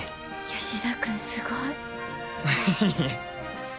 吉田君すごい。